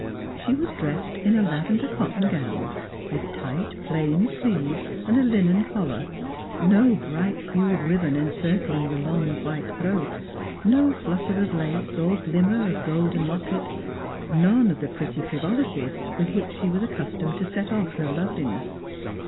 She was dressed in a lavender ootton gown, with tight plain sleeves, and a linen collar — no bright hued ribbon encircling the long white throat, no flutter of lace or glimmer of golden locket, none of the pretty frivo lities with which she was accustomed to set off her loveliness.